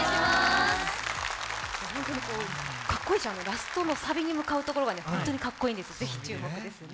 ラストのサビに向かうところが本当にかっこいいんです、ぜひ注目してほしいですね。